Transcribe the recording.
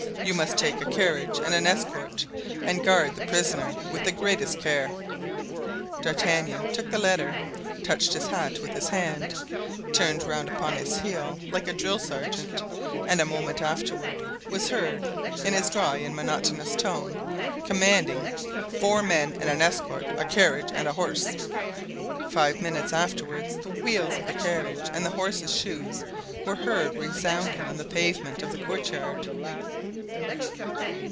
You must take a carriage and an escort, and guard the prisoner with the greatest care." D'Artagnan took the letter, touched his hat with his hand, turned round upon his heel like a drill sergeant, and a moment afterward was heard, in his dry and monotonous tone, commanding "Four men and an escort, a carriage and a horse." Five minutes afterward the wheels of the carriage and the horses' shoes were heard resounding on the pavement of the courtyard.